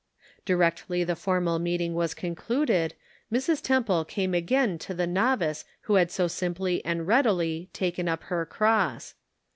Directly the formal meeting was concluded, Mrs. Temple came again to the novice who had so simply and readily " taken up her cross."